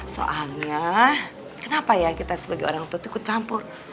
soalnya kenapa ya kita sebagai orang tua itu ikut campur